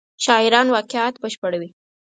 شاعران واقعیت بشپړوي.